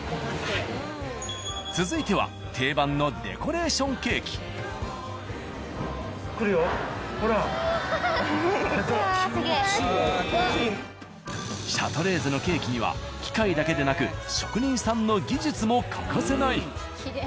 続いては定番の「シャトレーゼ」のケーキには機械だけでなく職人さんの技術も欠かせない。